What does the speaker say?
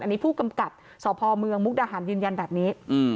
อันนี้พูดกำกัดสมมยยร์แบบนี้